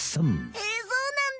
へえそうなんだ。